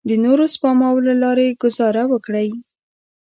د نورو سپماوو له لارې ګوزاره وکړئ.